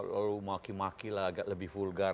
lalu maki maki lah agak lebih vulgar